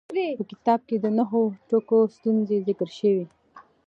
په کتاب کې د نهو ټکو ستونزه ذکر شوې.